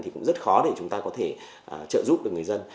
thì cũng rất khó để chúng ta có thể trợ giúp được người dân